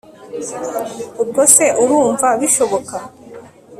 ubwo se urumva bishoboka!